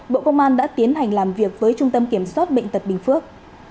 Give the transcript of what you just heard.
bộ công an đã tiến hành làm việc với trung tâm kiểm soát bệnh tật bình phước